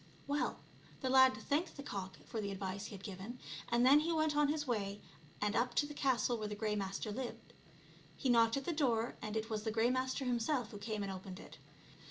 Well, the lad thanked the cock for the advice he had given, and then he went on his way and up to the castle where the Grey Master lived. He knocked at the door, and it was the Grey Master himself who came and opened it.